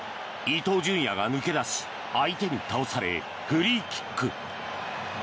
伊東純也が抜け出し相手に倒されフリーキック。